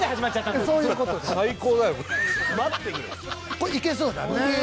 これいけそうだね。ね！